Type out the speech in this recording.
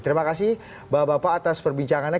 terima kasih bapak bapak atas perbincangannya